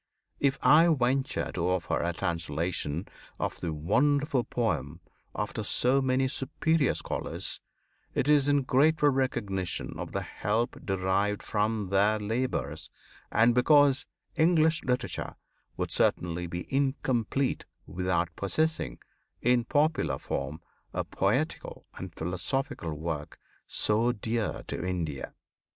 If I venture to offer a translation of the wonderful poem after so many superior scholars, it is in grateful recognition of the help derived from their labours, and because English literature would certainly be incomplete without possessing in popular form a poetical and philosophical work so dear to India.